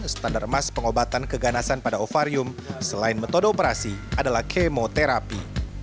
standar emas pengobatan keganasan pada ovarium selain metode operasi adalah kemoterapi